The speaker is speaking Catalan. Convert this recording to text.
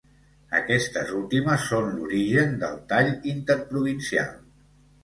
Aquestes últimes són l'origen del tall interprovincial.